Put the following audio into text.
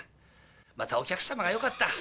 またお客様がよかった。